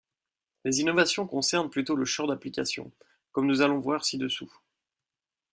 Les innovations concernent plutôt le champ d'application, comme nous allons voir ci-dessous.